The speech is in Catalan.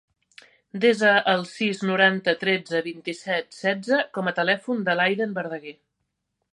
Desa el sis, noranta, tretze, vint-i-set, setze com a telèfon de l'Aiden Verdaguer.